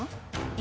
え？